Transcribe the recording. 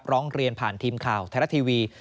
ร้องเรียนผ่านทีมข่าวไทยรัฐทีวี